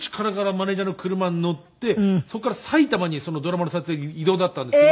マネジャーの車に乗ってそこから埼玉にドラマの撮影で移動だったんですけど。